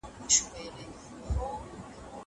زه اجازه لرم چي شګه پاک کړم!!